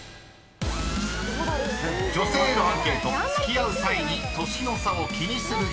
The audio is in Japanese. ［女性へのアンケート付き合う際に年の差を気にする人］